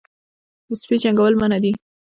د سپي جنګول منع دي